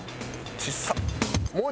ちっさ！